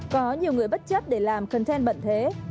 có nhiều người bất chấp để làm content bẩn thế